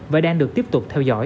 và đang được tiếp tục theo dõi